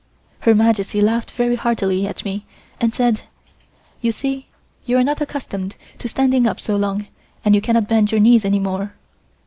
Her Majesty laughed very heartily at me and said: "You see you are not accustomed to standing so long and you cannot bend your knees any more."